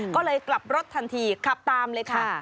ก็เลยกลับรถทันทีขับตามเลยค่ะ